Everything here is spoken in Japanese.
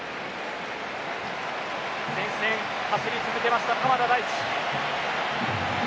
前線、走り続けました鎌田大地。